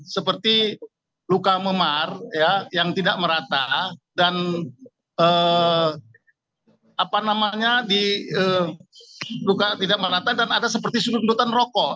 seperti luka memar yang tidak merata dan ada seperti sudut sudutan rokok